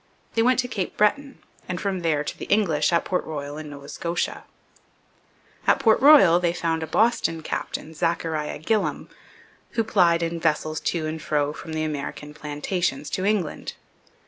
They went to Cape Breton, and from there to the English at Port Royal in Nova Scotia. At Port Royal they found a Boston captain, Zachariah Gillam, who plied in vessels to and fro from the American Plantations to England.